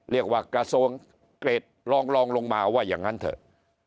เรียกว่ากระทรงเกรดลองลองลงมาว่าอย่างนั้นเถอะ